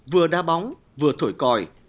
vừa đa bóng vừa thổi còi